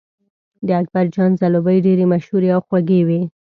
د اکبرجان ځلوبۍ ډېرې مشهورې او خوږې وې.